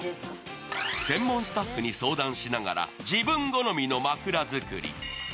専門スタッフに相談しながら自分好みの枕作り。